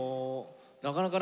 なかなかね